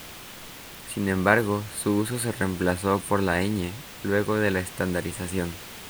Sin embargo, su uso se reemplazó por la "ñ" luego de la estandarización.